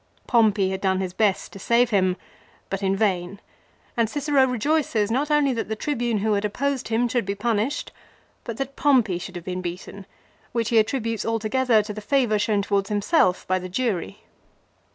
Pompey had done his best to save him, but in vain ; and Cicero rejoices not only that the Tribune who had opposed him should be punished, but that Pompey should have been beaten, which he attributes altogether to the favour shown towards himself by the jury.